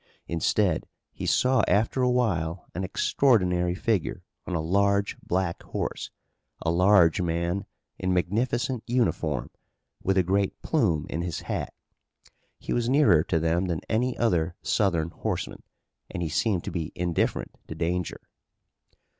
Instead he saw after a while an extraordinary figure on a large black horse, a large man in magnificent uniform, with a great plume in his hat. He was nearer to them than any other Southern horseman, and he seemed to be indifferent to danger.